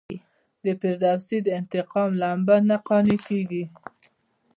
د فردوسي د انتقام لمبه نه قانع کیږي.